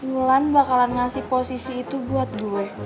bulan bakalan ngasih posisi itu buat gue